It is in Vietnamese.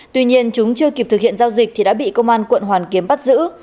tuy nhiên chúng chưa kịp thực hiện giao dịch thì đã bị công an quận hoàn kiếm bắt giữ